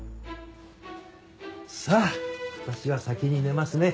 さあ私は先に寝ますね。